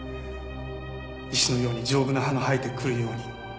石のように丈夫な歯が生えてくるように。